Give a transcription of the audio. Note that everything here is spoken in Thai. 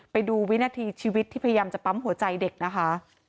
ไปดูวินาทีชีวิตที่พยายามจะปั๊มหัวใจเด็กนะคะ